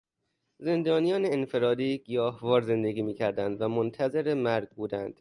زندانیان انفرادی گیاهوار زندگی میکردند و منتظر مرگ بودند.